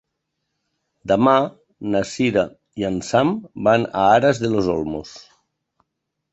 Demà na Cira i en Sam van a Aras de los Olmos.